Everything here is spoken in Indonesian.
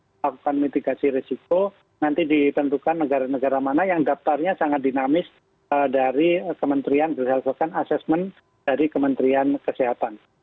melakukan mitigasi risiko nanti ditentukan negara negara mana yang daftarnya sangat dinamis dari kementerian berdasarkan asesmen dari kementerian kesehatan